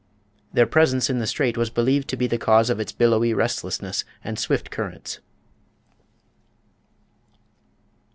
Their presence in the strait was believed to be the cause of its billowy restlessness and swift currents.